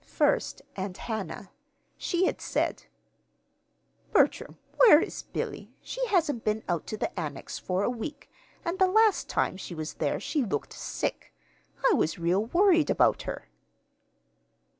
First, Aunt Hannah. She had said: "Bertram, where is Billy? She hasn't been out to the Annex for a week; and the last time she was there she looked sick. I was real worried about her."